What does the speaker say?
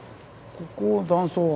この断層。